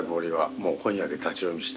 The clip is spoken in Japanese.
もう本屋で立ち読みして。